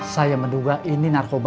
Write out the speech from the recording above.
saya menduga ini narkoba jenis baru